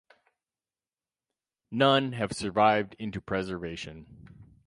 None have survived into preservation.